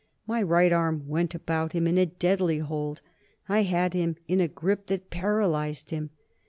My right arm went about him in a deadly hold; I had him in a grip that paralyzed him.